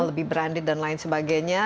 lebih branded dan lain sebagainya